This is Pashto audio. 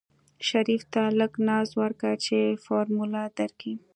شريف ته لږ ناز ورکه چې فارموله درکي.